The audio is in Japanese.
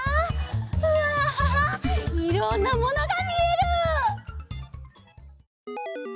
うわいろんなものがみえる！